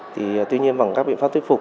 tuy nhiên bằng các biện pháp tuyết phục